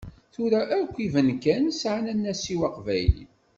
Tura akk ibenkan sεan anasiw aqbayli.